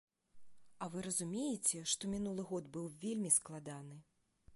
А вы разумееце, што мінулы год быў вельмі складаны.